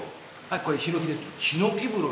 これヒノキですね。